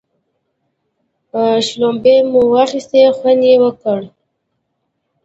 شلومبې مو واخيستې خوند یې وکړ.